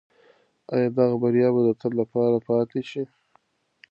آیا دغه بریا به د تل لپاره پاتې شي؟